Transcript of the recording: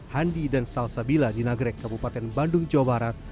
handi dan salsabila di nagrek kabupaten bandung jawa barat